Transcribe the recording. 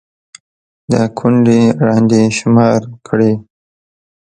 دا كونـډې رنـډې شمار كړئ